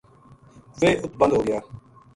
ویہ ات بند ہوگیا